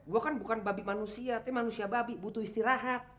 gue kan bukan babi manusia tapi manusia babi butuh istirahat